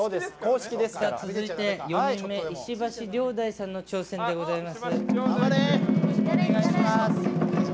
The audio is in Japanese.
続いて、４人目石橋遼大さんの挑戦でございます。